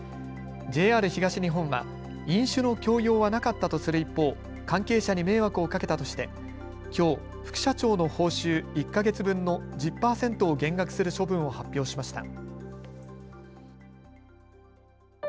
ＪＲ東日本は飲酒の強要はなかったとする一方、関係者に迷惑をかけたとしてきょう副社長の報酬１か月分の１０％を減額する処分を発表しました。